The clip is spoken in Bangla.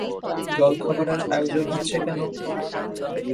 জলখাবারের আয়োজন হচ্ছে কেন?